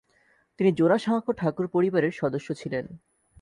তিনি জোড়াসাঁকো ঠাকুর পরিবারের সদস্য ছিলেন।